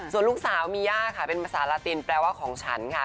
ส่วนลูกสาวมีย่าค่ะเป็นภาษาลาตินแปลว่าของฉันค่ะ